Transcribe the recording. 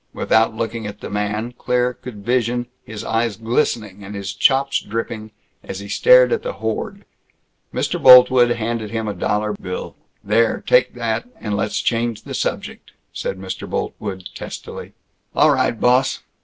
Without looking at the man, Claire could vision his eyes glistening and his chops dripping as he stared at the hoard. Mr. Boltwood handed him a dollar bill. "There, take that, and let's change the subject," said Mr. Boltwood testily. "All right, boss.